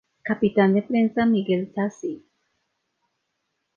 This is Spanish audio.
Capitán de Presa Miguel Sassy.